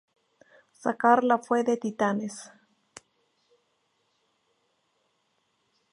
Sacarla fue de titanes.